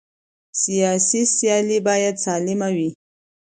سیاسي سیالۍ باید سالمه وي